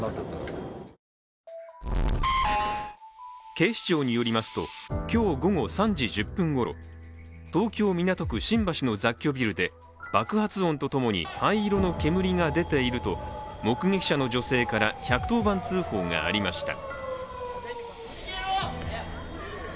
警視庁によりますと、今日午後３時１０分ごろ東京・港区新橋の雑居ビルで爆発音とともに灰色の煙が出ていると目撃者の女性から１１０番通報がありました。